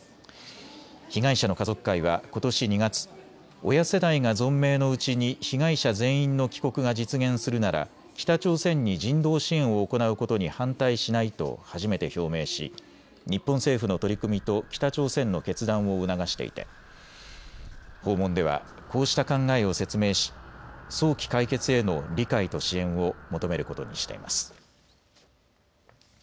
被害者の家族会はことし２月、親世代が存命のうちに被害者全員の帰国が実現するなら北朝鮮に人道支援を行うことに反対しないと初めて表明し日本政府の取り組みと北朝鮮の決断を促していて訪問ではこうした考えを説明し早期解決への理解と支援を求めることにしています。